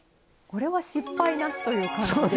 これは失敗なしという感じで。